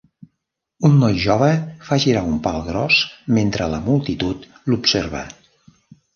Un noi jove fa girar un pal gros mentre la multitud l'observa.